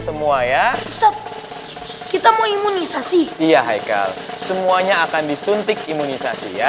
semua ya kita mau imunisasi ia haikal semuanya akan disuntik imunisasi ya